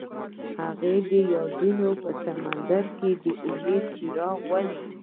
هغه د یادونه په سمندر کې د امید څراغ ولید.